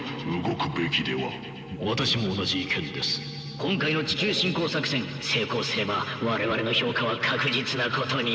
今回の地球侵攻作戦成功すれば我々の評価は確実なことに。